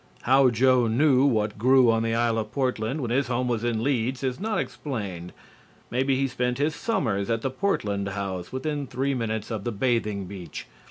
(How Joe knew what grew on the Isle of Portland when his home was in Leeds is not explained. Maybe he spent his summers at the Portland House, within three minutes of the bathing beach.)